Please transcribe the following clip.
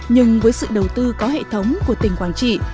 nhưng với sự đầu tư có hệ thống của tỉnh quảng trị